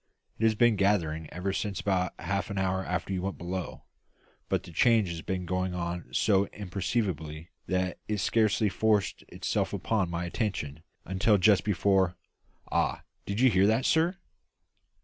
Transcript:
It has been gathering ever since about half an hour after you went below; but the change has been going on so imperceptibly that it scarcely forced itself upon my attention until just before Ah! did you hear that, sir?"